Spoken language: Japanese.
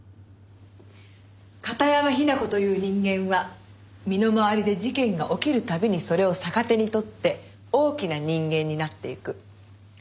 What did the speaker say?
片山雛子という人間は身の回りで事件が起きる度にそれを逆手に取って大きな人間になっていく。